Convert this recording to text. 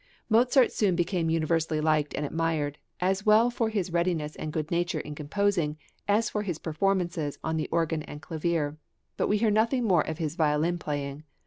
Mozart soon became universally liked and admired, as well for his readiness and good nature in composing as for his performances on the organ and clavier; but we hear nothing more of his violin playing.